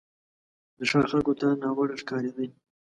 د ښار خلکو ته ناوړه ښکارېدی.